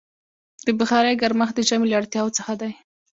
د بخارۍ ګرمښت د ژمي له اړتیاوو څخه دی.